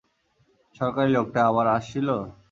সরকারি লোকটা, আবার আসছিলো?